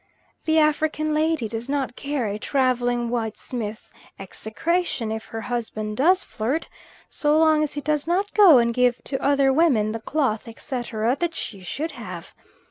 The African lady does not care a travelling whitesmith's execration if her husband does flirt, so long as he does not go and give to other women the cloth, etc., that she should have.